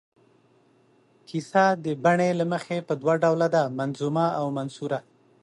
کیسه د بڼې له مخې په دوه ډوله ده، منظومه او منثوره.